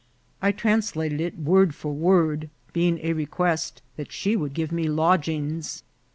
I translated it word for word, being a request that she would give me lodg ings.